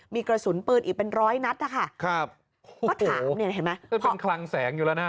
มีกระสุนปืนอีกเป็น๑๐๐นัดค่ะพอถามเนี้ยเห็นมั้ยเปล่าทางแสงอยู่แล้วนะ